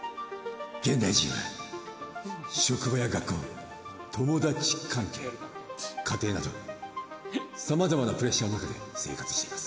現代人は職場や学校友達関係家庭などさまざまなプレッシャーの中で生活しています。